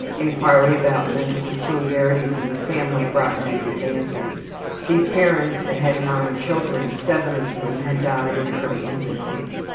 Inquiry about mental peculiarities in the family brought negative answers. These parents had had nine children, seven of whom had died in early infancy.